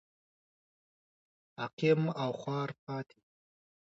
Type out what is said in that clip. عقیم او خوار پاتې و.